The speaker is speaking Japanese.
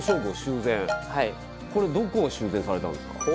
これどこを修繕されたんですか？